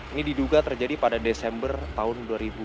ini diduga terjadi pada desember tahun dua ribu dua puluh